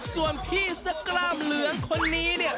ซอมพี่สกราบเหลืองคนนี้เนี่ย